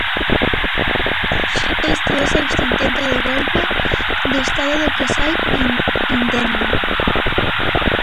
Este é o sexto intento de golpe de estado do que sae indemne.